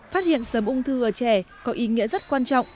phát hiện sớm ung thư ở trẻ có ý nghĩa rất quan trọng